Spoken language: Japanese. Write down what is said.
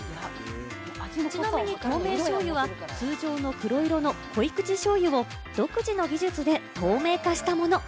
ちなみに透明醤油は通常の黒色の濃口しょうゆを独自の技術で透明化したもの。